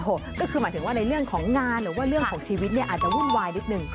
ก็คือหมายถึงว่าในเรื่องของงานหรือว่าเรื่องของชีวิตเนี่ยอาจจะวุ่นวายนิดนึง